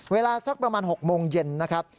เวลาสักประมาณ๖โมงเย็นนะครับ